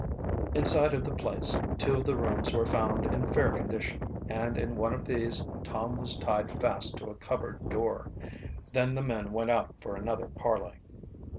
Inside of the place, two of the rooms were found in fair condition and in one of these Tom was tied fast to a cupboard door. Then the men went out for another parley.